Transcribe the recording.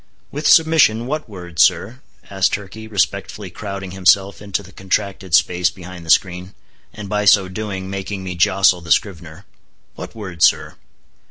"With submission, what word, sir," asked Turkey, respectfully crowding himself into the contracted space behind the screen, and by so doing, making me jostle the scrivener. "What word, sir?"